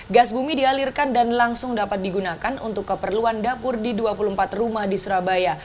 gas bumi dialirkan dan langsung dapat digunakan untuk keperluan dapur di dua puluh empat rumah di surabaya